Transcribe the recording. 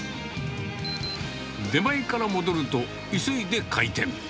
出前から戻ると、急いで開店。